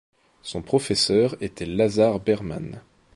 Son professeur était Lazar Berman.